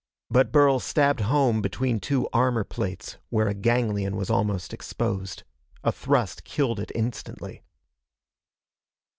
But Burl stabbed home between two armor plates where a ganglion was almost exposed. A thrust killed it instantly.